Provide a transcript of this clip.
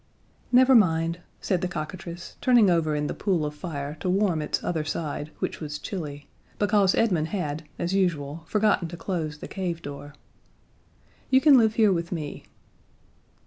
"Never mind," said the cockatrice, turning over in the pool of fire to warm its other side, which was chilly, because Edmund had, as usual, forgotten to close the cave door. "You can live here with me."